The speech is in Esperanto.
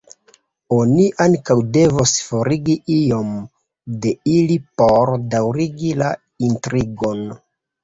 Oni ankaŭ devos forigi iom de ili por daŭrigi la intrigon.